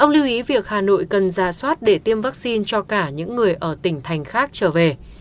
ông lưu ý việc hà nội cần ra soát để tiêm vaccine cho cả những người ở tỉnh thành khác trở về